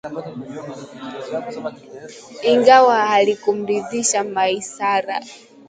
Ingawa halikumridhisha Maisara